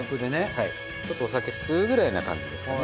はいちょっとお酒吸うくらいな感じですかね。